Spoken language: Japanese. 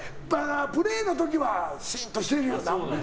プレーの時はシーンとしてるよ。